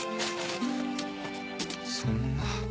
そんな。